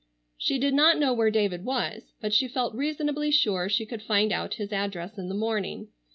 She did not know where David was but she felt reasonably sure she could find out his address in the morning.